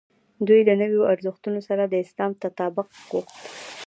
دوی له نویو ارزښتونو سره د اسلام تطابق غوښت.